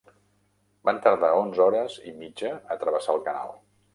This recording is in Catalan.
Van tardar onze hores i mitja a travessar el canal.